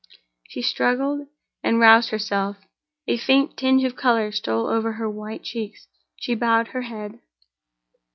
She struggled, and roused herself—a faint tinge of color stole over her white cheeks—she bowed her head.